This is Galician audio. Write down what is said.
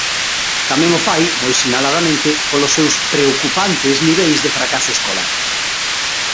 Tamén o fai, moi sinaladamente, polos seus "preocupantes" niveis de fracaso escolar.